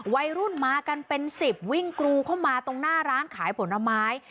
วัยรุ่นมากันเป็นสิบวิ่งกรูเข้ามาตรงหน้าร้านขายผลไม้